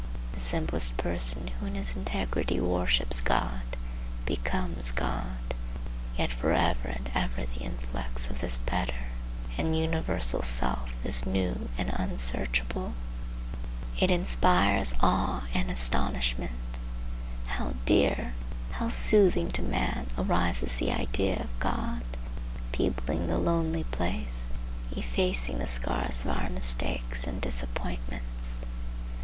The simplest person who in his integrity worships God, becomes God; yet for ever and ever the influx of this better and universal self is new and unsearchable. It inspires awe and astonishment. How dear, how soothing to man, arises the idea of God, peopling the lonely place, effacing the scars of our mistakes and disappointments!